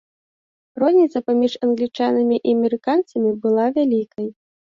Розніца паміж англічанамі і амерыканцамі была вялікай.